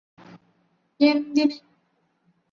എന്തിന്